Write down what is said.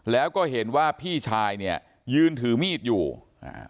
แล้วก็เห็นว่าพี่ชายเนี่ยยืนถือมีดอยู่อ่า